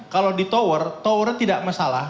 kalau di tower towernya tidak masalah